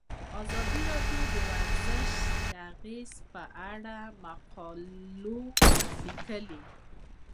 ازادي راډیو د ورزش د اغیزو په اړه مقالو لیکلي.